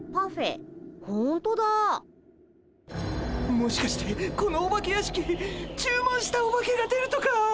もしかしてこのお化け屋敷注文したオバケが出るとか？